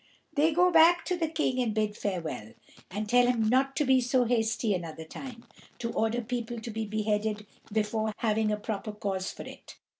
They go back to the King and bid farewell, and tell him not to be so hasty another time to order people to be beheaded before having a proper cause for it.